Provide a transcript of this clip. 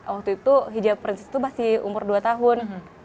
waktu itu hijab princes itu masih umur dua tahun